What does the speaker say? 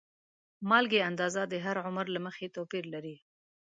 د مالګې اندازه د هر عمر له مخې توپیر لري.